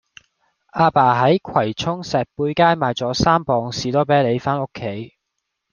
亞爸喺葵涌石貝街買左三磅士多啤梨返屋企